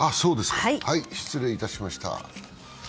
失礼いたしました。